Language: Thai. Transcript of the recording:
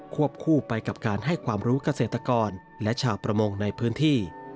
วบคู่ไปกับการให้ความรู้เกษตรกรและชาวประมงในพื้นที่